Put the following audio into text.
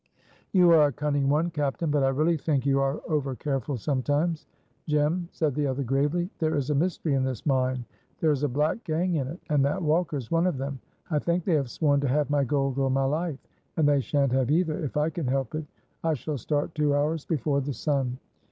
"You are a cunning one, captain, but I really think you are overcareful sometimes." "Jem," said the other gravely, "there is a mystery in this mine. There is a black gang in it, and that Walker is one of them. I think they have sworn to have my gold or my life, and they shan't have either if I can help it. I shall start two hours before the sun."